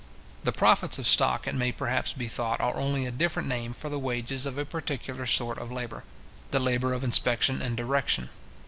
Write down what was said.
The profits of stock, it may perhaps be thought, are only a different name for the wages of a particular sort of labour, the labour of inspection and direction.